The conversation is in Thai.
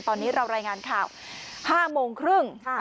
ตอนนี้เรารายงานข่าว๕โมงครึ่ง